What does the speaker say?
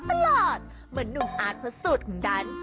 เหมือนหนุนอาจเพราะสูตรของดัน